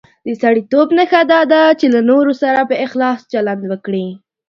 د سړیتوب نښه دا ده چې له نورو سره په اخلاص چلند وکړي.